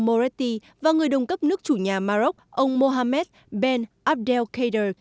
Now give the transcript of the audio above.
moretti và người đồng cấp nước chủ nhà maroc ông mohamed ben abdelkader